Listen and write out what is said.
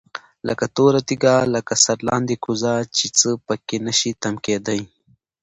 لكه توره تيږه، لكه سرلاندي كوزه چي څه په كي نشي تم كېدى